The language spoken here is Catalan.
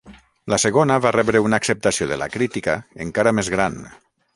La segona va rebre una acceptació de la crítica encara més gran.